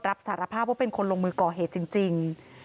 รับสารภาพว่าเป็นคนลงมือก่อเหตุจริง